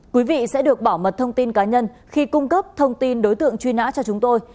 quý vị sẽ được bảo mật thông tin cá nhân khi cung cấp thông tin đối tượng truy nã cho chúng tôi